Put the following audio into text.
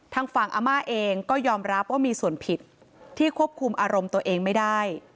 ทางฝั่งอาม่าเองก็ยอมรับว่ามีส่วนผิดที่ควบคุมอารมณ์ตัวเองไม่ได้